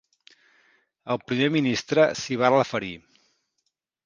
El primer ministre s’hi va referir.